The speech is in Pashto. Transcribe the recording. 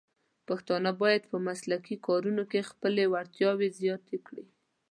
پښتانه بايد په مسلکي کارونو کې خپلې وړتیاوې زیاتې کړي.